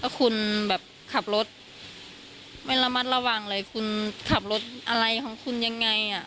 คุณแบบขับรถไม่ระมัดระวังเลยคุณขับรถอะไรของคุณยังไงอ่ะ